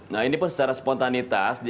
nah ini pun secara spontanitas